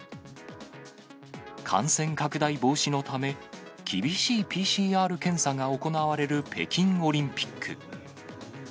感染拡大防止のため、厳しいＰＣＲ検査が行われる北京オリンピック。